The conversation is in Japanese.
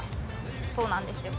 そうなんですよ。